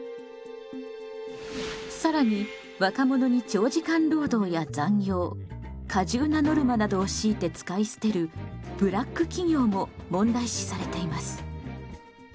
更に若者に長時間労働や残業過重なノルマなどを強いて使い捨てるブラック企業も問題視されています。